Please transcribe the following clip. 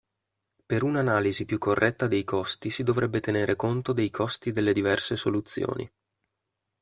Per un'analisi più corretta dei costi si dovrebbe tenere conto dei costi delle diverse soluzioni.